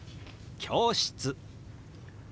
「教室」。